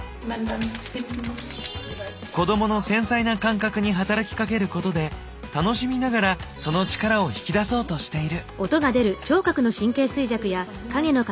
子どもの繊細な感覚に働きかけることで楽しみながらその力を引き出そうとしている。